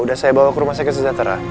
udah saya bawa ke rumah saya ke sejahtera